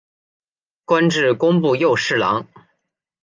官至工部右侍郎。